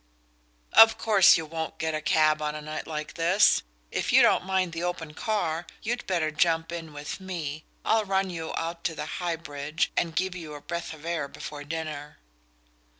"Of course you won't get a cab on a night like this. If you don't mind the open car, you'd better jump in with me. I'll run you out to the High Bridge and give you a breath of air before dinner."